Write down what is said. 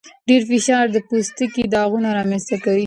ډېر فشار د پوستکي داغونه رامنځته کوي.